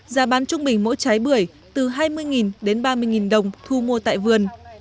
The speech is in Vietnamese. giá bán trung bình mỗi trái bưởi từ hai mươi đến ba mươi đồng thu mua tại vườn